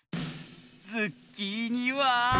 ズッキーニは。